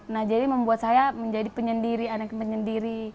nah jadi membuat saya menjadi penyendiri anak penyendiri